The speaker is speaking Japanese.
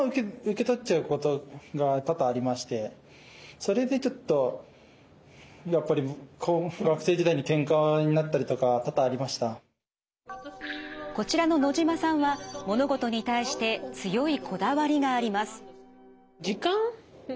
それでちょっとやっぱり学生時代にこちらの野島さんは物事に対して強いこだわりがあります。